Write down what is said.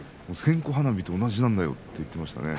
線香花火と同じなんだよって言っていました。